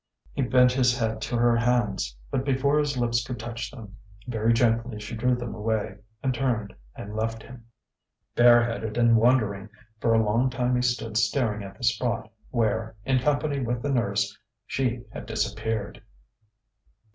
He bent his head to her hands, but before his lips could touch them, very gently she drew them away, and turned and left him. Bareheaded and wondering, for a long time he stood staring at the spot where, in company with the nurse, she had disappeared.